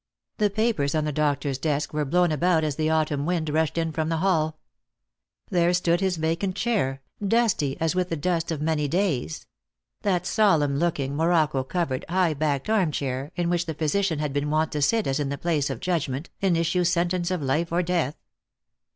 The papers on the doctor's desk were blown about as the autumn wind rushed in from the halL There stood his vacant chair, dusty as with the dust of many days ; that solemn looking, morocco covered, high backed arm chair, in which the physician had been wont to sit as in the place of judgment, and issue sentence of life or death.